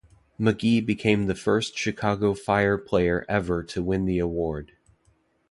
Magee became the first Chicago Fire player ever to win the award.